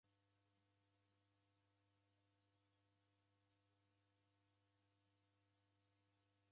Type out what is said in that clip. W'andu w'a kiw'omi kughochuaghochua chienyi ni w'aya.